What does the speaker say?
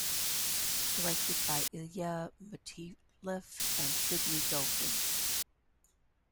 Directed by Ilya Motyleff and Sidney Goldin.